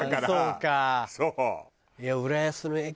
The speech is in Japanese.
そう。